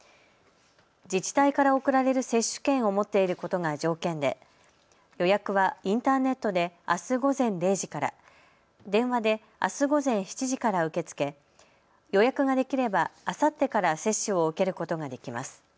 自治体から送られる接種券を持っていることが条件で予約はインターネットであす午前０時から、電話であす午前７時から受け付け予約ができれば、あさってから接種を受けることができます。